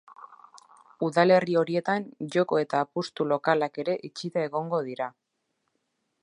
Udalerri horietan joko eta apustu-lokalak ere itxita egongo dira.